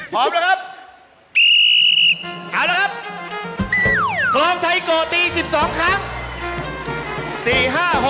พร้อมแล้วครับ